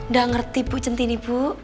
gak ngerti bu centini bu